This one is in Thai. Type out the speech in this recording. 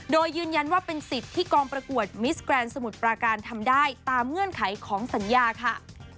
โดยยืนยันว่าเป็นสิทธิ์ที่กองประกวดมิสแกรนด์สมุทรปราการทำได้ตามเงื่อนไขของสัญญาค่ะ